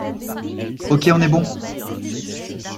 Ok, on est bon.